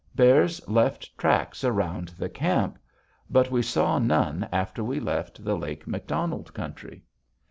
Bears left tracks around the camp. But we saw none after we left the Lake McDonald country.